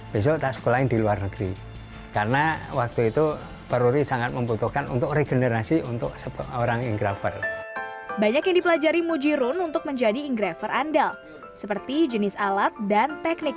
banyak yang dipelajari mujirun untuk menjadi inggraver andal seperti jenis alat dan teknik